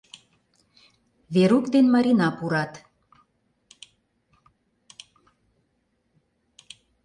Верук ден Марина пурат.